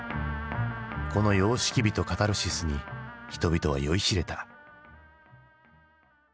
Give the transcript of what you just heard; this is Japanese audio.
この様式美とカタルシスに人々は酔いしれた。